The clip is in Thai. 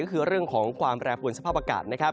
ก็คือเรื่องของความแปรปุ่นสภาพอากาศ